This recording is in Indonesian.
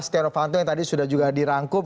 setiara fanto yang tadi sudah juga dirangkum